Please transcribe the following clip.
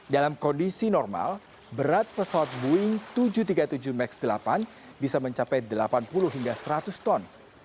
dalam kondisi normal berat pesawat boeing tujuh ratus tiga puluh tujuh max delapan bisa mencapai delapan puluh hingga seratus ton